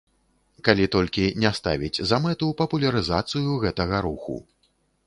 Калі толькі не ставіць за мэту папулярызацыю гэтага руху.